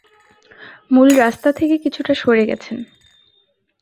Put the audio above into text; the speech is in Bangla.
মূল রাস্তা থেকে কিছুটা সরে গেছেন।